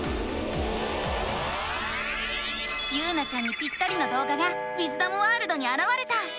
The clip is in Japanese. ゆうなちゃんにピッタリのどう画がウィズダムワールドにあらわれた！